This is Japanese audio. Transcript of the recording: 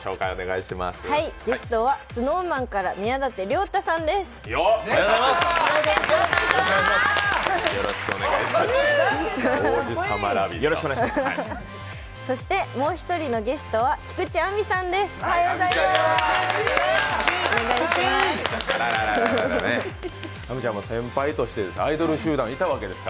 そしてもう１人のゲストは菊地亜美さんです。